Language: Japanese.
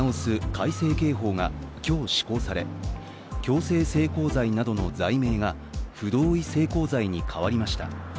改正刑法が今日施行され強制性交罪などの罪名が不同意性交罪に変わりました。